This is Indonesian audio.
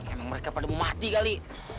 emang mereka pada mati kali